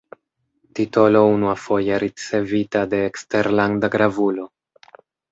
Titolo unuafoje ricevita de eksterlanda gravulo.